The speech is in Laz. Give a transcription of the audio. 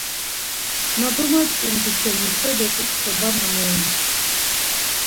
Na domaç̌ǩindu şeni xe do ǩuçxe var memoroms.